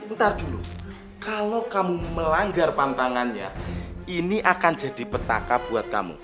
ntar dulu kalau kamu melanggar pantangannya ini akan jadi petaka buat kamu